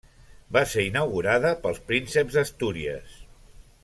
Va ser inaugurada pels Prínceps d'Astúries.